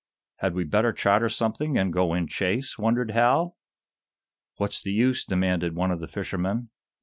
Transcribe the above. "Had we better charter something and go in chase?" wondered Hal. "What's the use?" demanded one of the fishermen.